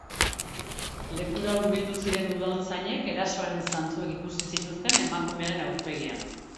Lekura hurbildu ziren udaltzainek erasoaren zantzuak ikusi zituzten emakumearen aurpegian.